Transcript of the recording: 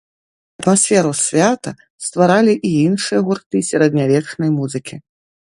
Атмасферу свята стваралі і іншыя гурты сярэднявечнай музыкі.